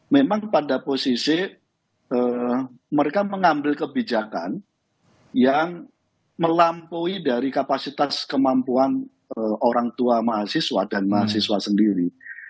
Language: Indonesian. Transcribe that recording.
memang pada posisi mereka mengambil kebijakan yang melampaui dari kapasitas kemampuan orang tua mahasiswa dan mahasiswa sendiri